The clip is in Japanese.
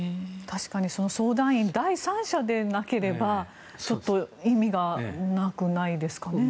確かに相談員は第三者でなければちょっと意味がなくないですかね。